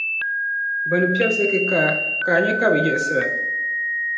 Bɛ ni piɛbsi kikaa, ka a nya ka bɛ yiɣisira.